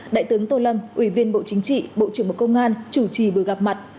đại tướng tô lâm ủy viên bộ chính trị bộ trưởng bộ công an chủ trì buổi gặp mặt